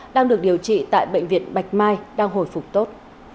đang được điều trị tại bệnh viện bạch mai đang hồi phục tốt